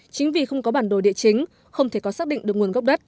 chính vì không có bản đồ địa chính không thể có xác định được nguồn gốc đất